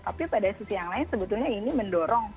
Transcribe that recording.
tapi pada sisi yang lain sebetulnya ini mendorong